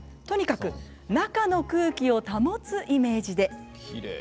とにかく中の空気を保つイメージで。